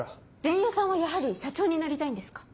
伝弥さんはやはり社長になりたいんですか？